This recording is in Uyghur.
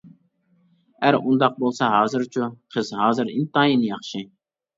ئەر:ئۇنداق بولسا ھازىرچۇ؟ قىز:ھازىر ئىنتايىن ياخشى.